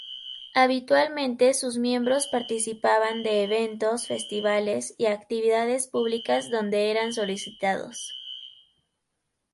Habitualmente sus miembros participaban de eventos, festivales y actividades públicas donde eran solicitados.